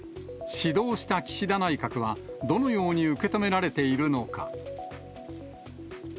始動した岸田内閣は、どのように受け止められているのか。